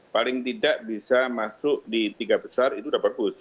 paling tidak bisa masuk di tiga besar itu sudah bagus